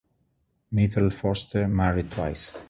Myrtle Foster married twice.